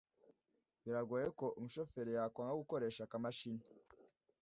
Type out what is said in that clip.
Biragoye ko umushoferi yakwanga gukoresha akamashini